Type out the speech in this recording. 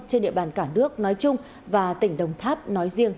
trên địa bàn cả nước nói chung và tỉnh đồng tháp nói riêng